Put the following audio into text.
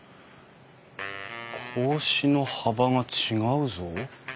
格子の幅が違うぞ。